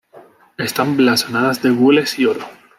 Están blasonadas de gules y oro.